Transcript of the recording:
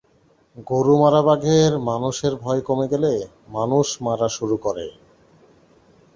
গরু মারা বাঘের মানুষের ভয় কমে গেলে মানুষ মারা শুরু করে।